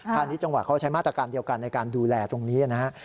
ณิชยจังหวัดเขาใช้มาตรการเดียวกันในการดูแลตรงนี้นะฮะ